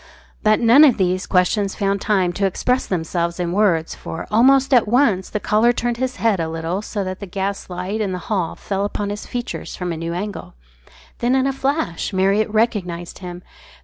But none of these questions found time to express themselves in words, for almost at once the caller turned his head a little so that the gas light in the hall fell upon his features from a new angle. Then in a flash Marriott recognised him.